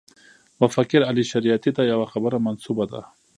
مفکر علي شریعیتي ته یوه خبره منسوبه ده.